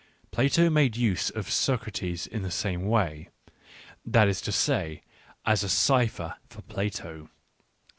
Plato made use of Socrates in the same way — that is to say, as a cipher for Plato.